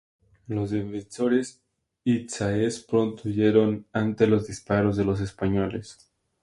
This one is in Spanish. Los defensores itzáes pronto huyeron ante los disparos de los españoles.